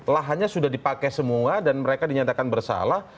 lahannya sudah dipakai semua dan mereka dinyatakan bersalah